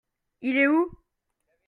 Il est où ?